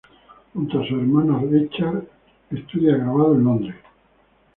Junto a su hermano Richard, estudia grabado en Londres.